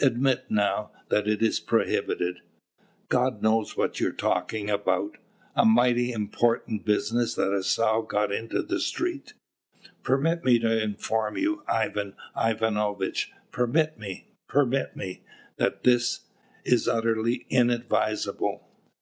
Admit, now, that it is prohibited." "God knows what you are talking about! A mighty important business that a sow got into the street!" "Permit me to inform you, Ivan Ivanovitch, permit me, permit me, that this is utterly inadvisable.